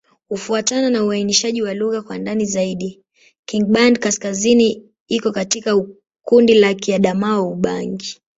Kufuatana na uainishaji wa lugha kwa ndani zaidi, Kingbandi-Kaskazini iko katika kundi la Kiadamawa-Ubangi.